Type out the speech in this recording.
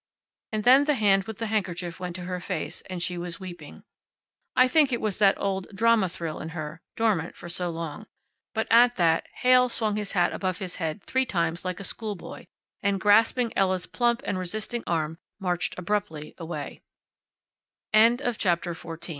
And then the hand with the handkerchief went to her face, and she was weeping. I think it was that old drama thrill in her, dormant for so long. But at that Heyl swung his hat above his head, three times, like a schoolboy, and, grasping Ella's plump and resisting arm, marched abruptly away. CHAPTER FIFTEEN The first week in June found her back in New York.